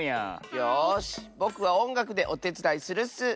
よしぼくはおんがくでおてつだいするッス！